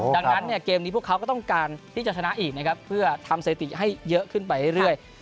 ดังนั้นเนี่ยเกมนี้พวกเขาก็ต้องการที่จะชนะอีกนะครับเพื่อทำสถิติให้เยอะขึ้นไปเรื่อย